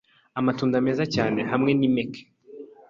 amatunda meza cyane hamwe n’impeke,